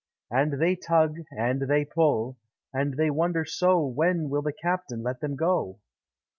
And they tug, and they pull, and they wonder so When will the Captain let them go?